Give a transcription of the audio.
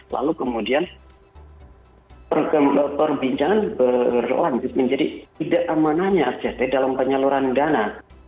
lalu kemudian perbincangan berlanjut menjadi tidak amanahnya act dalam penyaluran dana